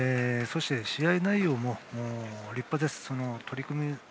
そして試合内容も立派です。